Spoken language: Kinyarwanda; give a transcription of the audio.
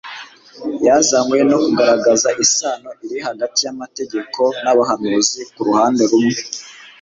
yazanywe no kugaragaza isano iri hagati y'amategeko n'abahanuzi ku ruhande rumwe,